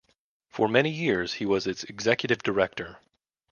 For many years he was its executive director.